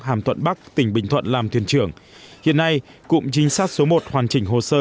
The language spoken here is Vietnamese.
hàm thuận bắc tỉnh bình thuận làm thuyền trưởng hiện nay cụm trinh sát số một hoàn chỉnh hồ sơ